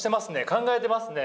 考えてますね。